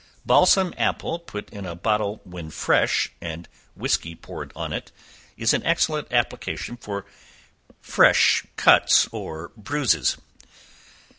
Balsam apple put in a bottle when fresh, and whiskey poured on it, is an excellent application for fresh cute or bruises.